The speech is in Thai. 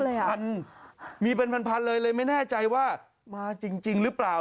นี่ค่ะมีเป็นพันพันเลยไม่แน่ใจว่ามาจริงรึเปล่า